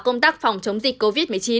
công tác phòng chống dịch covid một mươi chín